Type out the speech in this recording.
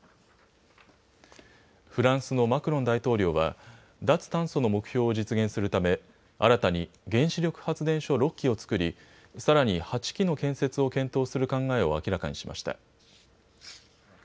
フランスのマクロン大統領は脱炭素の目標を実現するため新たに原子力発電所６基を造りさらに８基の建設を検討する考えを明らかにしました。